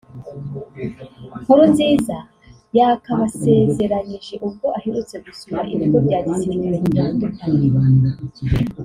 Nkurunziza yakabasezeranyije ubwo aherutse gusura ibigo bya gisirikare bitandukanye